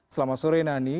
selamat sore nani